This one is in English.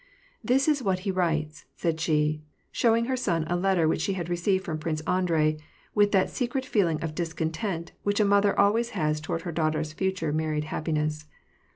" This is what he writes,'^ said she, showing her son a letter which she had received from Prince Andrei, with that secret feeling of discontent which a mother always has toward her daughter's future married happiness.